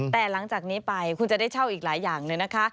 แต่หลังจากนี้ไปคุณจะได้เช่าอีกหลายอย่างเลยนะคะ